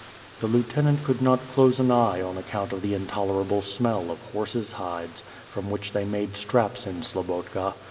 The lieutenant could not close an eye on account of the intolerable smell of horses' hides, from which they made straps in Slobotka.